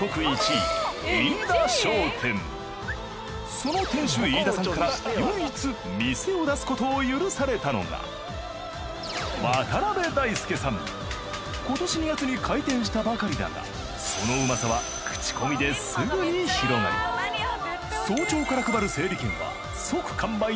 その店主飯田さんから唯一店を出すことを許されたのが今年２月に開店したばかりだがそのうまさは口コミですぐに広がり早朝から配る